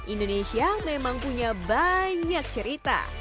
indonesia memang punya banyak cerita